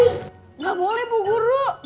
tidak boleh bu guru